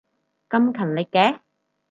咁勤力嘅